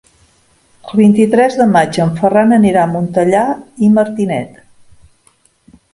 El vint-i-tres de maig en Ferran anirà a Montellà i Martinet.